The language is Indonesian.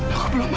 aku belum mati